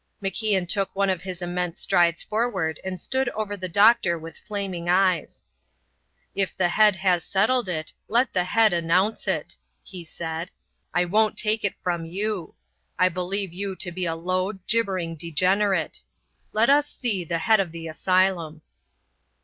MacIan took one of his immense strides forward and stood over the doctor with flaming eyes. "If the head has settled it let the head announce it," he said. "I won't take it from you. I believe you to be a low, gibbering degenerate. Let us see the head of the asylum."